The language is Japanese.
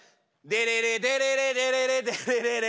デレレデレレデレレデレレレ。